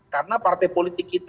karena partai politik itu